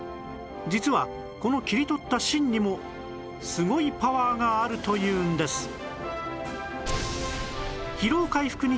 実はこの切り取った芯にもすごいパワーがあるというんです